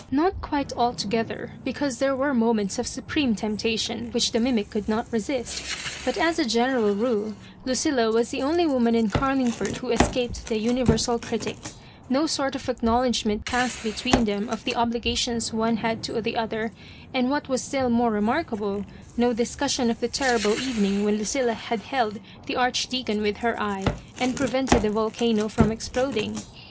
Not quite altogether, be cause there were moments of supreme tempta tion which the mimic could not resist ; but as a « general rale Lucilla was the only woman in Car lingford who escaped the universal critia No sort of acknowledgment passed between them of the obligations one had to the other, and, what was still more remarkable, no discussion of the terrible evening when Lucilla had held the Arch deacon with her eye, and prevented the volcano from exploding^.